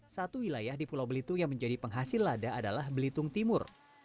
satu wilayah di pulau belitung yang menjadi penghasil lada adalah belitung timur